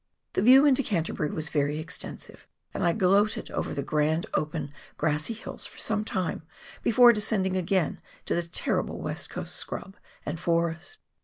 The view into Canterbury was very extensive, and I gloated over the grand, open, grassy hills for some time, before descending again to the terrible West Coast scrub and forest.